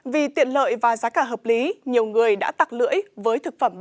vì tiện lợi và giá cả hợp lý nhiều người đã tặc lưỡi với thực phẩm